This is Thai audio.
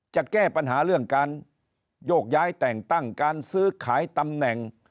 จะแก้ปัญหาเรื่องการโยกย้ายแต่งตั้งการซื้อขายตำแหน่ง